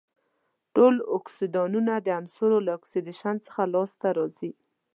ټول اکسایدونه د عناصرو له اکسیدیشن څخه لاس ته راځي.